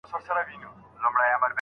ولي ميرمن بايد په کور کي پاته سي؟